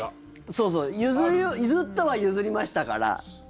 そうそう譲ったは譲りましたから。